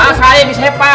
masa aja bisa sepak